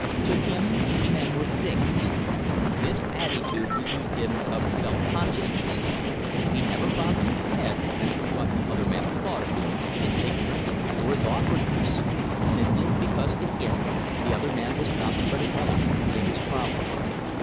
To him men were things. This attitude relieved him of self consciousness. He never bothered his head as to what the other man thought of him, his ignorance, or his awkwardness, simply because to him the other man was nothing but an element in his problem.